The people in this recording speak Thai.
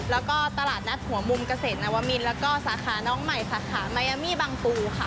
แล้วก็ตลาดนัดหัวมุมเกษตรนวมินแล้วก็สาขาน้องใหม่สาขามายามี่บางปูค่ะ